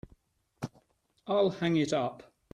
I'll hang it up.